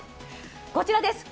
こちらです！